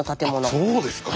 あそうですか。